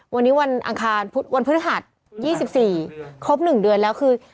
วันนี้วันพฤหัส๒๔ครบหนึ่งเดือนแล้วคือ